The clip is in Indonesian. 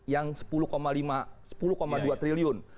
yang sepuluh dua triliun